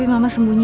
jangan sama ya